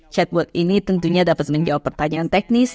chatbot ini tentunya dapat menjawab pertanyaan teknis